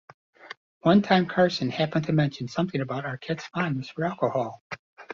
One time Carson happened to mention something about Arquette's fondness for alcohol.